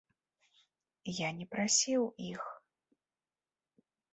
Я не прасіў іх!